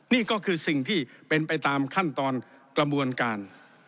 นี่ก็คือสิ่งที่เป็นไปตามขั้นตอนกระบวนการ